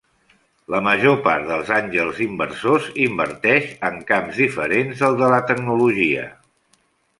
La major part dels àngels inversors inverteix en camps diferents del de la tecnologia.